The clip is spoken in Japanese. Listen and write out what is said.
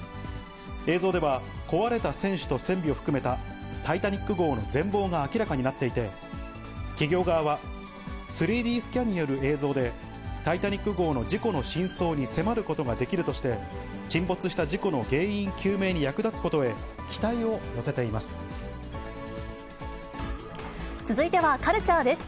映像では、壊れた船首と船尾を含めたタイタニック号の全貌が明らかになっていて、企業側は、３Ｄスキャンによる映像で、タイタニック号の事故の真相に迫ることができるとして、沈没した事故の原因究明に役立つことへ、続いてはカルチャーです。